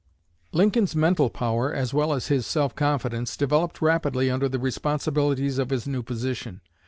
Lincoln's mental power, as well as his self confidence, developed rapidly under the responsibilities of his new position.